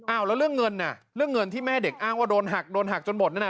แล้วเรื่องเงินน่ะเรื่องเงินที่แม่เด็กอ้างว่าโดนหักโดนหักจนหมดนั่นน่ะ